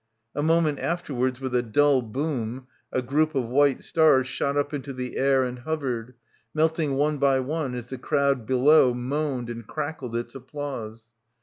A moment afterwards with a dull boom a group of white stars shot up into the air and hovered, melting one by one as the crowd below moaned and crackled its applause.